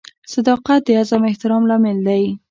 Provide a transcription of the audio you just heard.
• صداقت د عزت او احترام لامل دی.